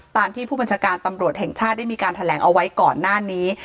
ตามที่ผู้บัญชาการตำรวจแห่งชาติได้มีการแถลงเอาไว้ก่อนหน้านี้